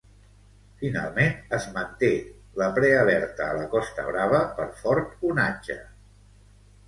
Finalment, es manté la prealerta a la Costa Brava per fort onatge.